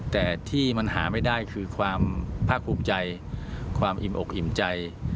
แต่ที่มันหาไม่ได้คือความภาคภูมิใจความอิ่มอกอิ่มใจ